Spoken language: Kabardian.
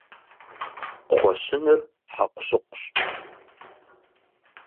Кхъуэщыныр хьэкъущыкъущ.